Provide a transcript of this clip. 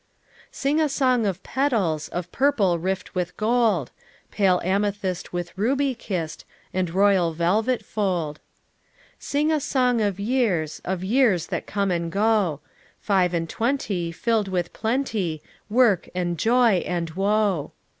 "Sing a song of petals Of purple rift with gold; Pale amethyst with ruby kissed, And royal velvet fold. FOUE MOTHERS AT CHAUTAUQUA 403 "Sing a song of years, Of years, that come, and go; Five and twenty, filled with plenty; Work, and joy, and woe.